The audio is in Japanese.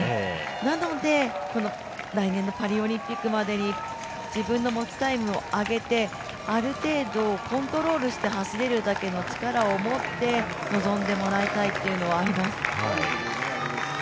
なので、来年のパリオリンピックまでに自分の持ちタイムを上げてコントロールして走れるだけの力を持って臨んでもらいたいというのはあります。